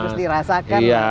cuma harus dirasakan ya